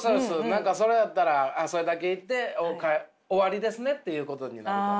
何かそれやったらそれだけ言って終わりですねっていうことになるので。